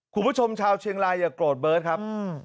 คุณผู้ชมชาวเชียงรายอย่าโกรธเบิร์ตครับ